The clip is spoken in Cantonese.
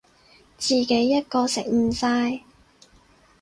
自己一個食唔晒